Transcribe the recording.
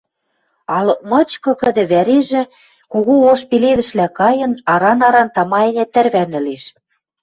Алык мычкы, кыды вӓрежӹ, кого ош пеледӹшлӓ кайын, аран-аран тама-ӓнят тӓрвӓнӹлеш: